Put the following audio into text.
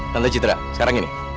tante citra sekarang gini